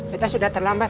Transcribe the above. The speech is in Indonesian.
kita sudah terlambat